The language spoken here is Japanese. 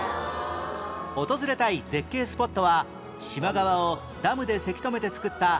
訪れたい絶景スポットは四万川をダムでせき止めて造った奥四万湖